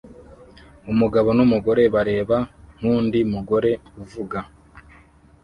Umugabo numugore bareba nkundi mugore uvuga